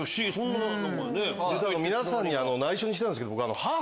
皆さんに内緒にしてたんですけど。